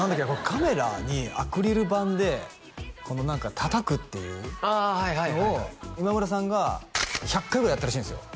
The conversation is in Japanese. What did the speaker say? カメラにアクリル板でこの何か叩くっていうのをああはいはい今村さんが１００回ぐらいやったらしいんですよ